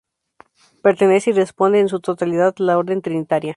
Pertenece y responde en su totalidad a la Orden Trinitaria.